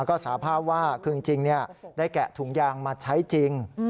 ก็สาภาพว่าคือจริงได้แกะถุงยางมาใช้จริง